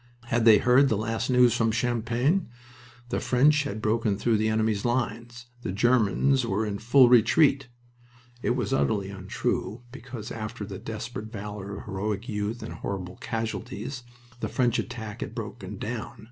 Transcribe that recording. Had they heard the last news from Champagne? The French had broken through the enemy's line. The Germans were in full retreat.. . It was utterly untrue, because after the desperate valor of heroic youth and horrible casualties, the French attack had broken down.